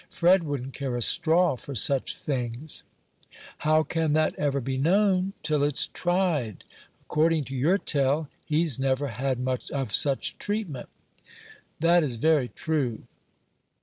Fred wouldn't care a straw for such things." "How can that ever be known, till it's tried? According to your tell, he's never had much of such treatment." "That is very true."